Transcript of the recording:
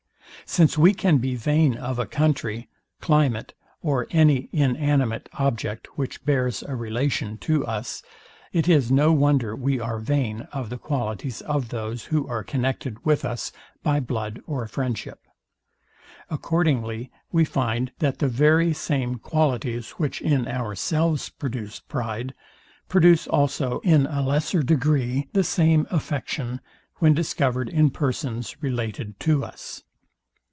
Since we can be vain of a country, climate or any inanimate object, which bears a relation to us, it is no wonder we are vain of the qualities of those, who are connected with us by blood or friendship. Accordingly we find, that the very same qualities, which in ourselves produce pride, produce also in a lesser degree the same affection, when discovered in persons related to us.